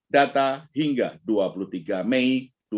data hingga dua puluh tiga mei dua ribu dua puluh